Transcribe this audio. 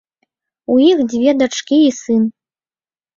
У іх дзве дачкі і сын.